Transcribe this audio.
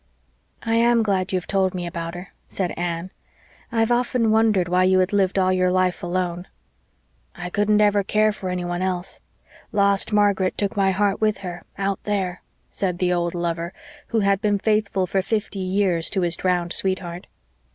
"I am glad you have told me about her," said Anne. "I have often wondered why you had lived all your life alone." "I couldn't ever care for anyone else. Lost Margaret took my heart with her out there," said the old lover, who had been faithful for fifty years to his drowned sweetheart.